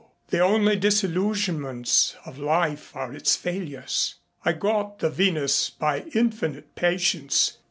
The only disillusionments of life are its failures I got the Venus by infinite patience.